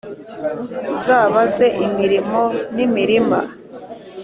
Zabaze imirimo n’imirima,